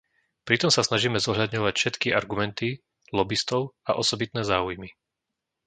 Pritom sa snažíme zohľadňovať všetky argumenty, lobistov a osobitné záujmy.